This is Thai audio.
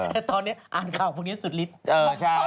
แต่ตอนนี้อ่านข่าวพวกนี้สุดฤทธิ์